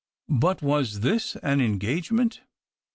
But was this an engagement